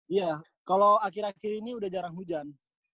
iya kalau akhir akhir ini udah jarang hujan